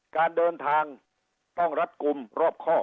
การเดินทางต้องรัดกลุ่มรอบครอบ